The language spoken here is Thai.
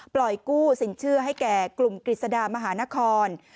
ปล่อยกู้สินเชื่อให้แก่กลุ่มกฤษฎามหานคร